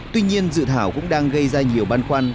tuy nhiên dự thảo cũng đang gây ra nhiều băn khoăn